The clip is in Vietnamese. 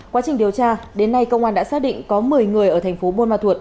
quá trình điều tra đến nay công an đã xác định có một mươi người ở thành phố buôn ma thuột